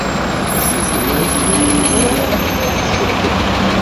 Akken i as-d-zzin yidurar i Yarucalim.